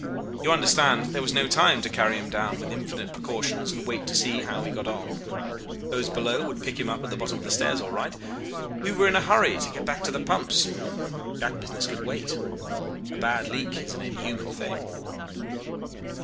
You understand there was no time to carry him down with infinite precautions and wait to see how he got on. Those below would pick him up at the bottom of the stairs all right. We were in a hurry to go back to the pumps. That business could not wait. A bad leak is an inhuman thing.